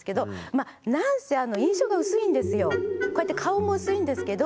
まあ何せこうやって顔も薄いんですけど。